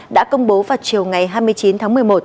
đã công bố vào chiều ngày hai mươi chín tháng một mươi một